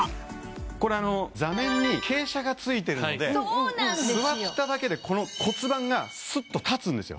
これあの座面に傾斜がついてるので座っただけで骨盤がすっと立つんですよ。